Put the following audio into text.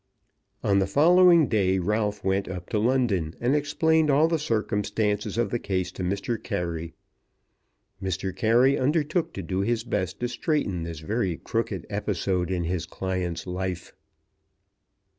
On the following day Ralph went up to London, and explained all the circumstances of the case to Mr. Carey. Mr. Carey undertook to do his best to straighten this very crooked episode in his client's life.